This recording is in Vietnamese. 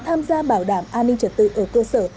tham gia bảo đảm an ninh trật tự ở cơ sở